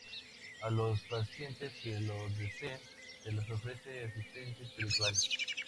A los pacientes que lo deseen se les ofrece asistencia espiritual.